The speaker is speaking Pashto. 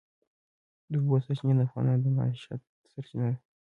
د اوبو سرچینې د افغانانو د معیشت سرچینه ده.